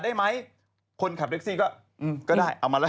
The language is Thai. สรุปค่ารถอีก๗๐กว่าบาท